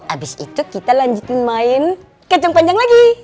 abis itu kita lanjutin main kejang kejang lagi